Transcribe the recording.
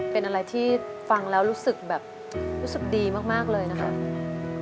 เป็นอะไรที่ฟังแล้วรู้สึกแบบรู้สึกดีมากเลยนะครับ